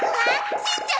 しんちゃん